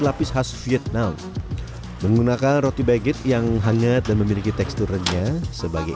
lapis khas vietnam menggunakan roti baguette yang hangat dan memiliki teksturnya sebagai